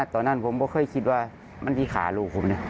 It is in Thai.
ตอนนั้นผมก็เคยคิดว่ามันที่ขาลูกผมเนี่ย